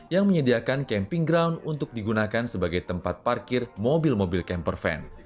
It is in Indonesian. yang menyediakan camping ground untuk digunakan sebagai tempat parkir mobil mobil camper van